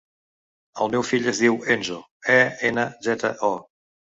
El meu fill es diu Enzo: e, ena, zeta, o.